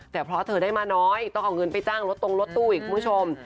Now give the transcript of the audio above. แต่เพราะเธอได้มาน้อยต้องเอาเงินไปจ้างรถตรงรถตู้อีกคุณผู้ชม